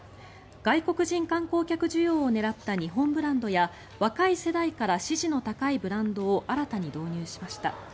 外国人観光客需要を狙った日本ブランドや若い世代から支持の高いブランドを新たに導入しました。